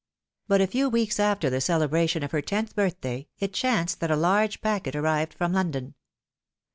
But a few weeks after the celebration of her tenth birthday, it chanced that a large packet arrived from London.